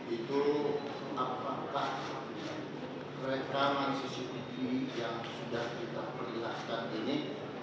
itu apakah rekaman cctv yang sudah kita perlintaskan ini